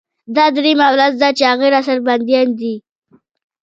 دا درېيمه ورځ ده چې هغوى راسره بنديان دي.